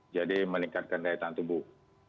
jadi meningkatkan daya tanah tubuh